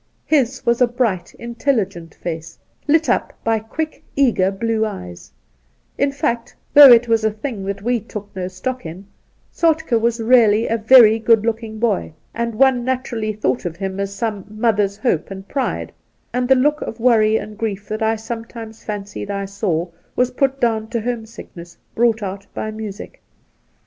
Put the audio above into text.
His was a bright, intelligent face, lit up by quick, eager blue eyes; in fact, though it was a thing that we took no stock in, Soltke was really a very good looking boy, and one naturally thought of him as some ' mother's hope and pride '; and the look of worry and grief that I sometimes fancied I saw was put down to home sickness brought out by music.